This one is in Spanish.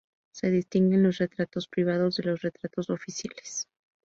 Se distinguen los retratos privados de los retratos oficiales.